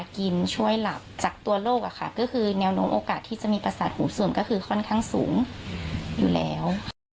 ค่ะก็คือแนวโน้มโอกาสที่จะมีประสาทหูสวมก็คือค่อนข้างสูงอยู่แล้ว